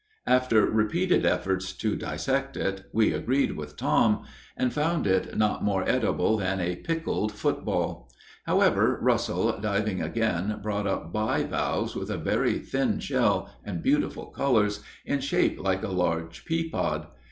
After repeated efforts to dissect it we agreed with Tom, and found it not more edible than a pickled football. However, Russell, diving again, brought up bivalves with a very thin shell and beautiful colors, in shape like a large pea pod.